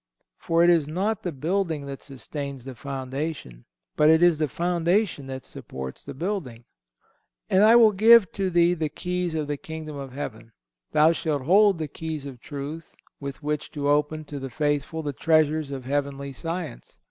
For it is not the building that sustains the foundation, but it is the foundation that supports the building. "And I will give to thee the keys of the Kingdom of Heaven."(177) Thou shalt hold the keys of truth with which to open to the faithful the treasures of heavenly science.